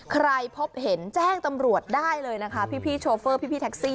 ใครพบเห็นแจ้งตอบันไดเลยนะคะพี่พี่ชอเฟอร์พี่พี่แท็กซี่